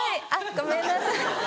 ごめんなさい